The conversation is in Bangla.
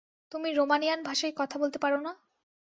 তুমি রোমানিয়ান ভাষায় কথা বলতে পারো না?